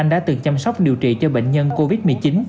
đã từng chăm sóc điều trị cho bệnh nhân covid một mươi chín